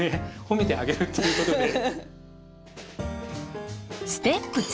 褒めてあげるっていうことで。